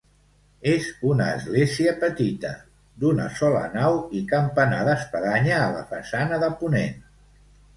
És una església petita, d'una sola nau i campanar d'espadanya a la façana de ponent.